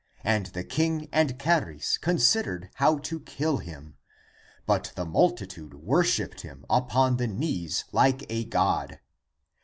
And the king and Charis con sidered how to kill him. But the multitude wor shipped him upon the knees like a God.